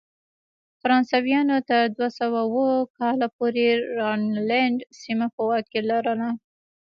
فرانسویانو تر دوه سوه اووه کال پورې راینلنډ سیمه په واک کې لرله.